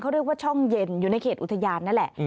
เขาเรียกว่าช่องเย็นอยู่ในเขตอุทยานนั่นแหละ